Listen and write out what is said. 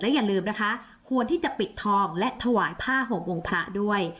อย่าลืมนะคะควรที่จะปิดทองและถวายผ้าห่มองค์พระด้วย